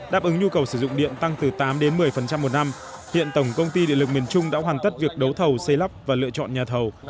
đáp ứng nhu cầu sử dụng điện tăng từ tám đến một mươi một năm hiện tổng công ty điện lực miền trung đã hoàn tất việc đấu thầu xây lắp và lựa chọn nhà thầu